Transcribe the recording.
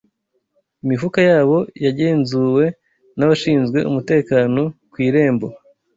Imifuka yabo yagenzuwe n’abashinzwe umutekano ku irembo.